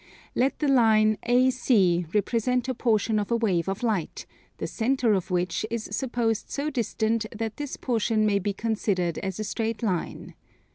Let the line AC represent a portion of a wave of light, the centre of which is supposed so distant that this portion may be considered as a straight line.